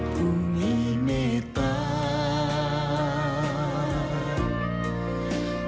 ผู้มีเมตตา